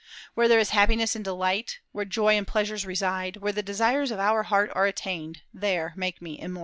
... Where there is happiness and delight, where joy and pleasures reside, where the desires of our heart are attained, there make me immortal."